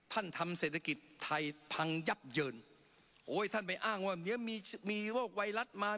ทำเศรษฐกิจไทยพังยับเยินโอ้ยท่านไปอ้างว่าเนี้ยมีมีโรคไวรัสมา